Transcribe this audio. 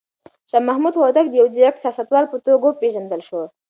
شاه محمود هوتک د يو ځيرک سياستوال په توګه وپېژندل شو.